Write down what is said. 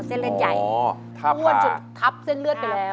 เส้นเลือดใหญ่อ้วนจนทับเส้นเลือดไปแล้ว